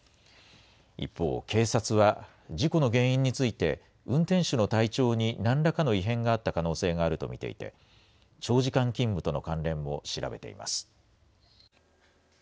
一方、警察は事故の原因について、運転手の体調になんらかの異変があった可能性があると見ていて、長時間勤務との関連も調べています。